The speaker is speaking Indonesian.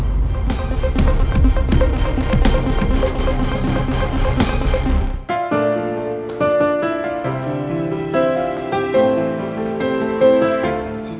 i promise pangeran